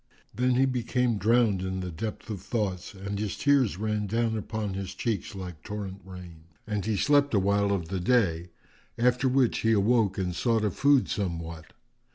Then he became drowned in the depth of thoughts and his tears ran down upon his cheeks like torrent rain; and he slept a while of the day, after which he awoke and sought of food somewhat.